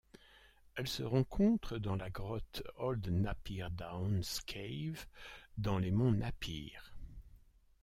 Elle se rencontre dans la grotte Old Napier Downs Cave dans les monts Napier.